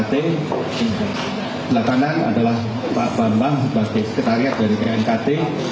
di belah kanan adalah pak bambang sebagai sekretariat dari knkt